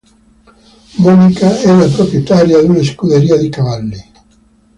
Monika è la proprietaria di una scuderia di cavalli.